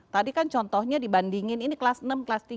tadi kan contohnya dibandingin ini kelas enam kelas tiga